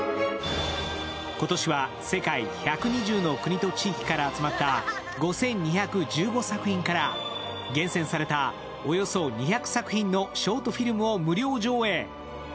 今年は世界１２０の国と地域から集まった５２１５作品から厳選されたおよそ２００作品のショートフィルムを無料上映。